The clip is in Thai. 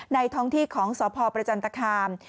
ท้องที่ของสพประจันตคาม